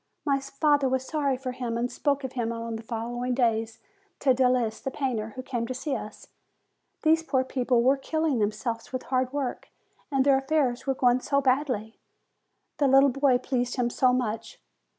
My father was sorry for him, and spoke of him on the following day to Delis the painter, who came to see us. These poor people were killing themselves with hard work, and their affairs were going so badly ! The little boy pleased him so much